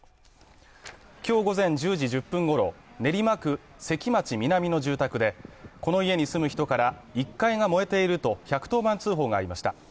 今日午前１０時１０分ごろ、練馬区関町南の住宅でこの家に住む人から１階が燃えていると１１０番通報がありました。